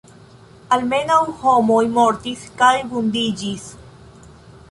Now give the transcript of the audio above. Almenaŭ homoj mortis kaj vundiĝis.